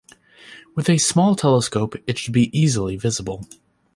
With a small telescope it should be easily visible.